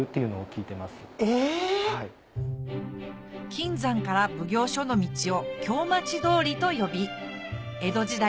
金山から奉行所の道を京町通りと呼び江戸時代